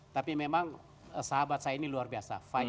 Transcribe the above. tapi memang sahabat saya ini luar biasa